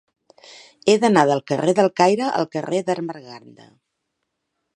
He d'anar del carrer del Caire al carrer d'Ermengarda.